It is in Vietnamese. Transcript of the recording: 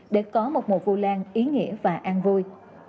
để có một mùa vu lan ý nghĩa và an vui